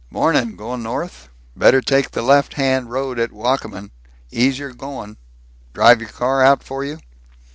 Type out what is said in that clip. "Mornin'! Going north? Better take the left hand road at Wakamin. Easier going. Drive your car out for you?"